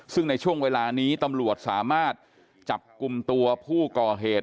ซึ่งในช่วงเวลานี้ตำรวจสามารถจับกลุ่มตัวผู้ก่อเหตุ